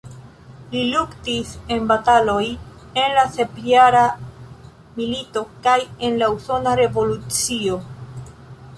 Li luktis en bataloj en la Sepjara milito kaj en la Usona revolucio.